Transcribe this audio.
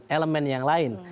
elemen yang lain